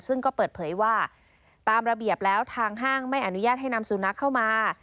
ซึ่งก็เปิดเผยว่าตามระเบียบแล้วทางห้างไม่อนุญาตให้นำสุนัขเข้ามา